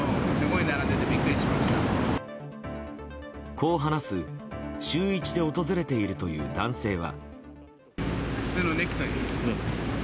こう話す、週１で訪れているという男性は。